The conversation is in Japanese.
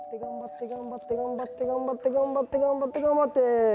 頑張って頑張って頑張って頑張って頑張って頑張って。